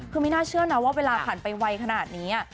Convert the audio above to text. คือไม่น่าเชื่อนะว่าเวลาผ่านไปไวขนาดนี้